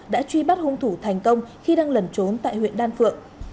đã truy bắt hung thủ thành công khi đang lẩn trốn tại huyện đan phượng